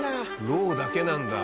ローだけなんだ。